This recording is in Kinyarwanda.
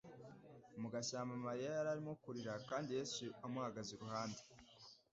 Mu gashyamba Mariya yari arimo kurira kandi Yesu amuhagaze iruhande.